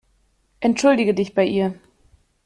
Entschuldige dich bei ihr.